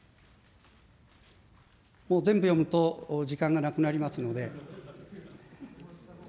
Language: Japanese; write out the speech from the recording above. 全部読むと時間がなくなりますので。